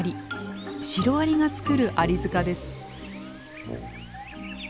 シロアリが作るアリ塚です。